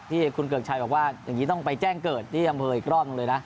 ที่คุณเกือกชัยบอกว่าอย่างนี้ต้องไปแจ้งเกิดที่อำเภออีกร่องเลยนะ